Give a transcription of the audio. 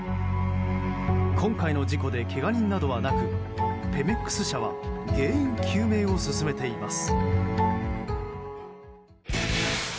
今回の事故でけが人などはなくペメックス社は原因究明を進めています。